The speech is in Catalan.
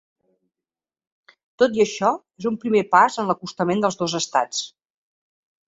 Tot i això, és un primer pas en l’acostament dels dos estats.